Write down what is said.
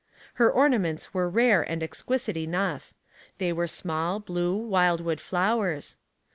Her ornaments were rare and exquisite enough ; they were small, blue wild wood flowers.